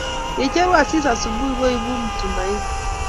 nyechoru asis asubui koibuu mtumaini